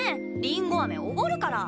りんごあめおごるから。